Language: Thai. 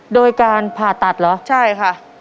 โดยการผ่าตัดเหรอใช่ค่ะ